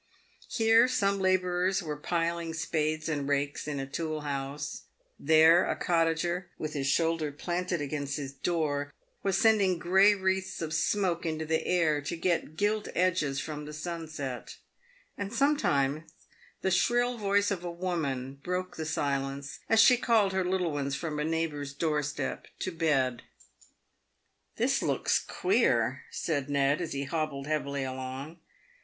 Here some labourers were piling spades and rakes in a tool house ; there a cottager, with his shoulder planted against his door, wa3 sending grey wreaths of smoke into the air to get gilt edges from the sunset ; and sometimes the shrill voice of a woman broke the silence, as she called her little ones from a neighbour's doorstep to bed. " This looks queer," said Ned, as he hobbled heavily along.